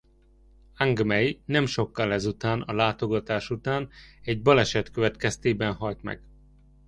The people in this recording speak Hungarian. Ang Mei nem sokkal ez után a látogatás után egy baleset következtében halt meg.